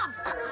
あ！